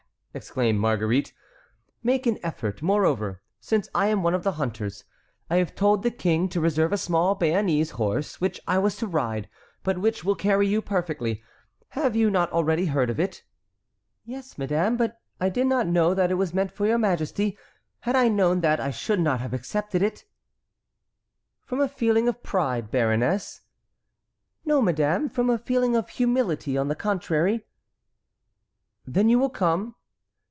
exclaimed Marguerite, "make an effort; moreover, since I am one of the hunters, I have told the King to reserve a small Béarnese horse which I was to ride, but which will carry you perfectly. Have you not already heard of it?" "Yes, madame, but I did not know that it was meant for your majesty. Had I known that I should not have accepted it." "From a feeling of pride, baroness?" "No, madame, from a feeling of humility, on the contrary." "Then you will come?"